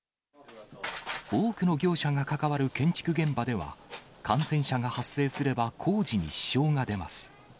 多くの業者が関わる建築現場では、感染者が発生すれば工事に支障が出ます。